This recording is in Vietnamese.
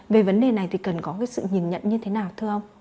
về vấn đề này thì cần có cái sự nhìn nhận như thế nào thưa ông